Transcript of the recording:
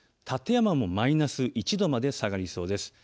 館山もマイナス１度まで下がりそうです。